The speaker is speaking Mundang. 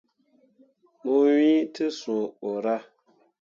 Mo wŋni te sũũ borah.